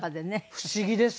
不思議です。